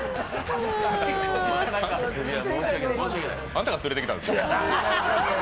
あんたが連れてきたんでしょ。